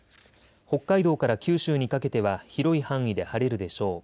北海道から九州にかけては広い範囲で晴れるでしょう。